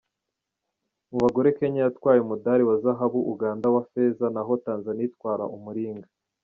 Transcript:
Mu bagore Kenya yatwaye umudali wa zahabu, Uganda uwa feza naho Tanzania itwara umuringa.